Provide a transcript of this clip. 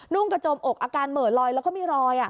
กระจมอกอาการเหม่อลอยแล้วก็มีรอย